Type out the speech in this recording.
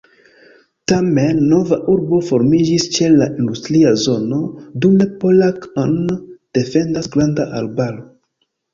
Tamen, nova urbo formiĝis ĉe la industria zono, dume Polack-on defendas granda arbaro.